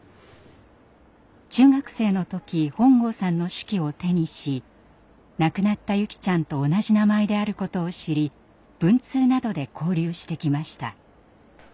中学生の時本郷さんの手記を手にし亡くなった優希ちゃんと同じ名前であることを知り文通などで交流してきました。